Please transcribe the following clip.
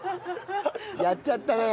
やっちゃったね。